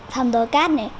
phòng tờ cát này